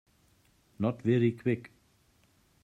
Not very Quick.